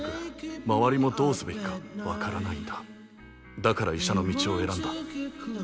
だから医者の道を選んだ。